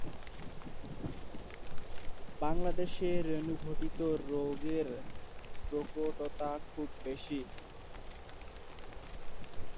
বাংলাদেশে রেণুঘটিত রোগের প্রকটতা খুব বেশি।